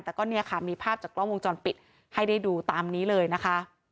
แต่ก็เนี่ยค่ะมีภาพจากกล้องวงจรปิดให้ได้ดูตามนี้เลยนะคะ